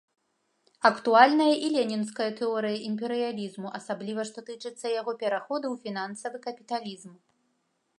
Актуальная і ленінская тэорыя імперыялізму, асабліва, што тычыцца яго пераходу ў фінансавы капіталізм.